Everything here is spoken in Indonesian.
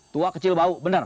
tua kecil bau bener